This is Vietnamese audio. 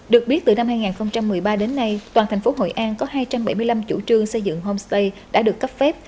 được biết từ năm hai nghìn một mươi ba đến nay toàn thành phố hội an có hai trăm bảy mươi năm chủ trương xây dựng homestay đã được cấp phép